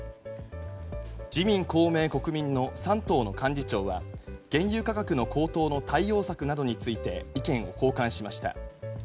自民・公明・国民の３党の幹事長は原油価格の高騰の対応策などについて意見を交換しました。